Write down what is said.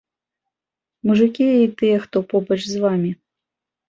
Мужыкі і тыя, хто побач з вамі!